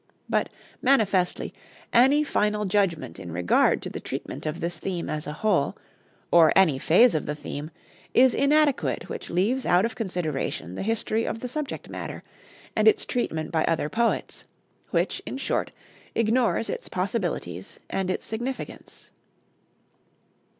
But manifestly, any final judgment in regard to the treatment of this theme as a whole, or any phase of the theme, is inadequate which leaves out of consideration the history of the subject matter, and its treatment by other poets; which, in short, ignores its possibilities and its significance.